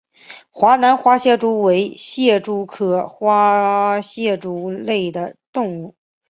华南花蟹蛛为蟹蛛科花蟹蛛属的动物。